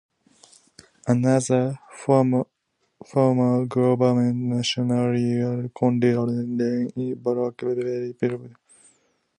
Another former gubernatorial candidate, Len E. Blaylock of Perry County was named appointments secretary.